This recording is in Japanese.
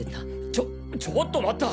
ちょちょっと待った！